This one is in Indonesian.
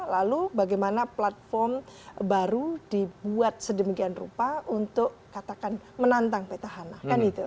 lalu bagaimana platform baru dibuat sedemikian rupa untuk katakan menantang petahana